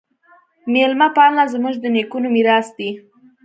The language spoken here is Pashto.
میلمه پالنه زموږ د نیکونو میراث دی.